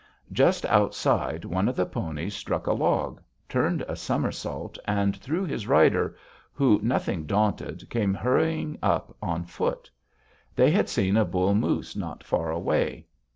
Just outside, one of the ponies struck a log, turned a somersault, and threw his rider, who, nothing daunted, came hurrying up on foot. They had seen a bull moose not far away.